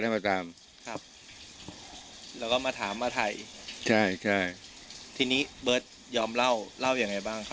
นี่เบิร์ดยอมเล่าเล่ายังไงบ้าง